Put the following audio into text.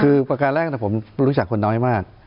คือประการแรกผมรู้จักคนน้อยมาก